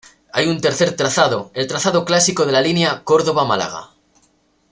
Hay un tercer trazado, el trazado clásico de la línea Córdoba-Málaga.